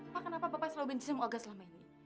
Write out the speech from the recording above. pak kenapa bapak selalu benci sama olga selama ini